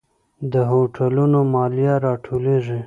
د هوټلونو مالیه راټولیږي؟